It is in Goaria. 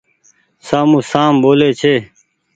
سامون سام ٻولي ڇي ۔